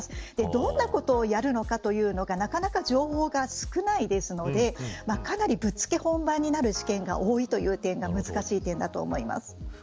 どんなことをやるのかというのがなかなか情報が少ないですのでかなり、ぶっつけ本番になる試験が多いというのが難しい点だと思います。